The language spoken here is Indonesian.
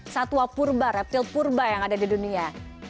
satwa purba reptil purba yang ada di dunia